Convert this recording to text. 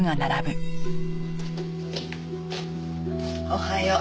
おはよう。